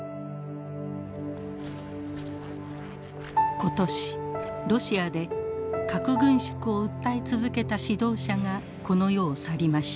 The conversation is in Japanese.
ことしロシアで核軍縮を訴え続けた指導者がこの世を去りました。